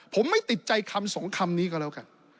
ผมไม่ติดใจคำสองคำนี้ก็แล้วกัน